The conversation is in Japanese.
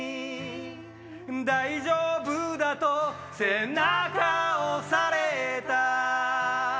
大丈夫だと背中押された